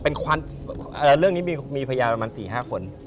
เป็นเรื่องนี้มีพยานประมาณ๔๕คน